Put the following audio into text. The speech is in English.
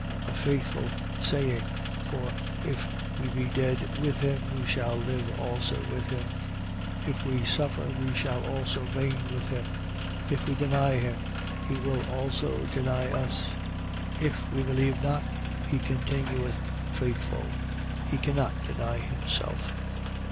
2:11. A faithful saying: for if we be dead with him, we shall live also with him. 2:12. If we suffer, we shall also reign with him. If we deny him, he will also deny us. 2:13. If we believe not, he continueth faithful, he cannot deny himself.